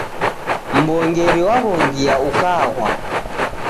Mw'ongeri waw'ongia ukaghwa